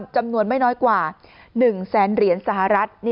จำนวนไม่น้อยกว่า๑แสนเหรียญสหรัฐ